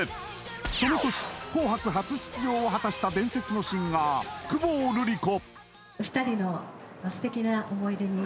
その年紅白初出場を果たした伝説のシンガー久宝留理子